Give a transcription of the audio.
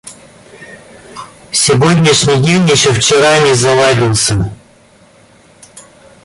Сегодняшний день еще вчера не заладился.